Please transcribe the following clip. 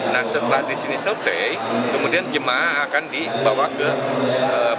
nah setelah disini selesai kemudian jemaah akan dibawa ke penginap